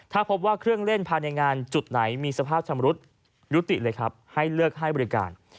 ถ้าพบว่าเครื่องเล่นภายในงานจุดไหนมีสภาพชำรุดยุติเลยครับให้เลือกให้บริการ